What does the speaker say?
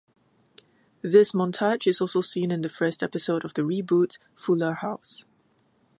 This montage is also seen in the first episode of the reboot "Fuller House".